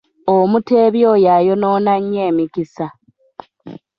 Omuteebi oyo ayonoona nnyo emikisa.